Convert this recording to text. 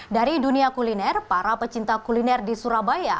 dari dunia kuliner para pecinta kuliner di surabaya